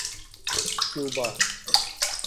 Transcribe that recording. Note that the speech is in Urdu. کیوبا